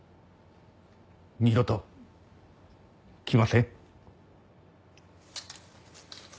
二度と来ません。